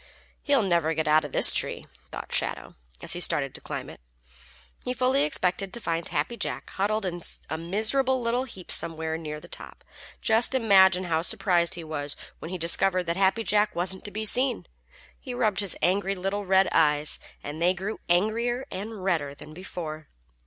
"He never'll get out of this tree," thought Shadow, as he started to climb it. He fully expected to find Happy Jack huddled in a miserable little heap somewhere near the top. Just imagine how surprised he was when he discovered that Happy Jack wasn't to be seen. He rubbed his angry little red eyes, and they grew angrier and redder than before.